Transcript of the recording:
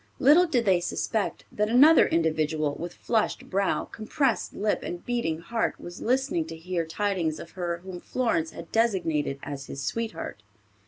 Little did they suspect that another individual, with flushed brow, compressed lip and beating heart was listening to hear tidings of her whom Florence had designated as his sweetheart.